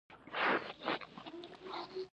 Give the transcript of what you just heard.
حافظ صاحب نه صنف ته نه وو راغلى.